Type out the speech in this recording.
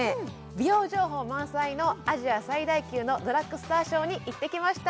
美容情報満載のアジア最大級のドラッグストアショーに行ってきました